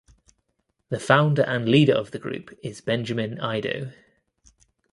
The founder and leader of the group is Benjamin Aidoo.